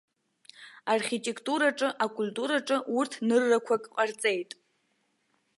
Архитеқтураҿы, акультураҿы урҭ ныррақәак ҟарҵеит.